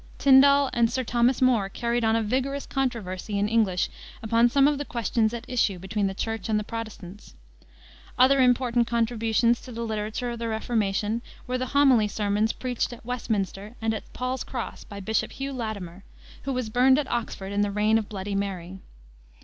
Tyndal and Sir Thomas More carried on a vigorous controversy in English upon some of the questions at issue between the Church and the Protestants. Other important contributions to the literature of the Reformation were the homely sermons preached at Westminster and at Paul's Cross by Bishop Hugh Latimer, who was burned at Oxford in the reign of Bloody Mary.